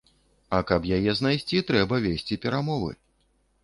А каб яе знайсці, трэба весці перамовы.